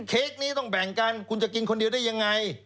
เค้กนี้ต้องแบ่งกันคุณจะกินคนเดียวได้ยังไง